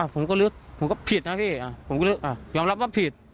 ผมก็ลึกผมก็ผิดนะพี่ผมก็ยอมรับว่าผิด